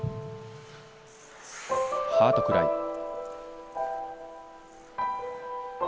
『ハート・クライ』。